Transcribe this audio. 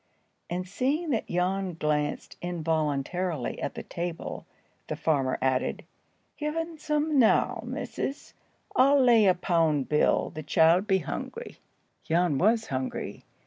And seeing that Jan glanced involuntarily at the table, the farmer added, "Give un some now, missus. I'll lay a pound bill the child be hungry." Jan was hungry.